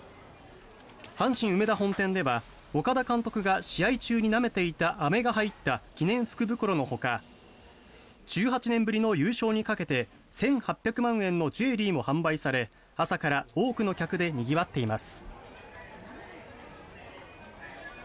阪神梅田本店では岡田監督が試合中になめていたアメが入った記念福袋のほか１８年ぶりの優勝にかけて１８００万円のジュエリーも販売され朝から多くの客でにぎわっています。